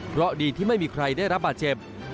เพราะดีที่ไม่มีใครได้รับบาดเจ็บ